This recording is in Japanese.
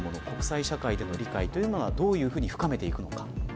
国際社会での理解はどういうふうに深めていくのか。